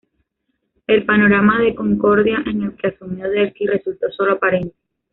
El panorama de concordia en el que asumió Derqui resultó sólo aparente.